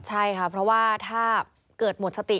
ใช่ค่ะเพราะว่าถ้าเกิดหมดสติ